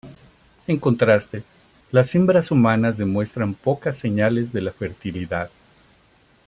En contraste, las hembras humanas demuestran pocas señales de la fertilidad.